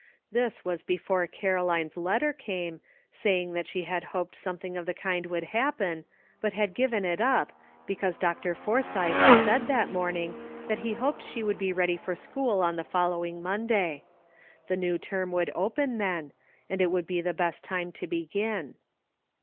This was be fore Caroline's letter came, saying that she had hoped something of the kind would happen, but had given it up because Dr. Forsythe said that morning that he hoped she would be ready for school on the following Monday. The new term would open then, and it would be the best time to begin.